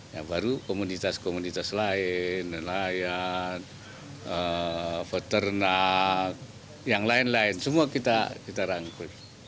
yang baru komunitas komunitas lain nelayan peternak yang lain lain semua kita rangkul